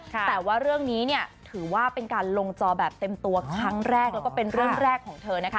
แต่ว่าเรื่องนี้เนี่ยถือว่าเป็นการลงจอแบบเต็มตัวครั้งแรกแล้วก็เป็นเรื่องแรกของเธอนะคะ